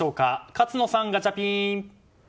勝野さん、ガチャピン！